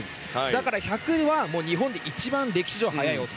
だから１００は日本で一番歴史上速い男。